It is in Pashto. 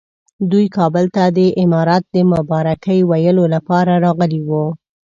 دوی کابل ته د امارت د مبارکۍ ویلو لپاره راغلي وو.